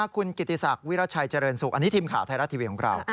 คุณกิติศักดิ์วิราชัยเจริญสุขอันนี้ทีมข่าวไทยรัฐทีวีของเรา